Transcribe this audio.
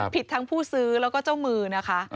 ผิดทั้งผู้ซื้อแล้วก็เจ้ามือนะคะ